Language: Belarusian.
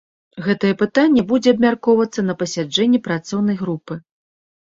Гэтае пытанне будзе абмяркоўвацца на паседжанні працоўнай групы.